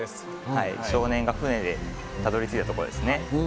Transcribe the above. はい少年が船でたどりついたとこですね